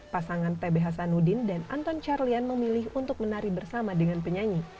pasangan t b hasanudin dan anton carlyan memilih untuk menari bersama dengan penyanyi